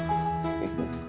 norak weracadanya kamu ujang